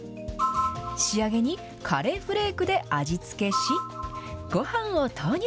仕上げにカレーフレークで味付けし、ごはんを投入。